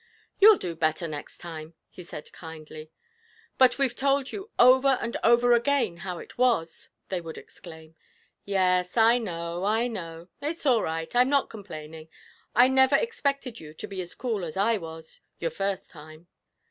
'You'll do better next time,' he said kindly. 'But we've told you over and over again how it was!' they would exclaim. 'Yes, I know, I know. It's all right. I'm not complaining: I never expected you to be as cool as I was, your first time.'